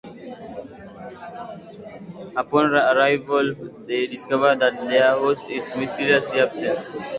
Upon arrival they discover that their host is mysteriously absent.